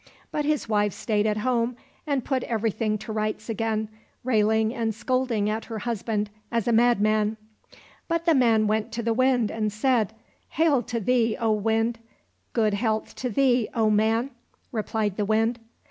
But his wife stayed at home and put everything to rights again, railing and scolding at her husband as a madman. But the man went to the Wind and said, " Hail to thee, O Wind !"—* Good health to thee, O man !" replied the Wind.